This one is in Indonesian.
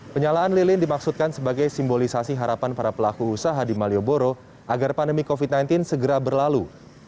penyalaan lilin dimaksudkan sebagai simbolisasi harapan para pelaku usaha di malioboro agar pandemi covid sembilan belas segera berlalu